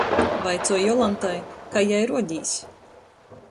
Vaicoju Jolantai, kai jai ruodīs.